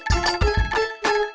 jadi pekip sudah bebas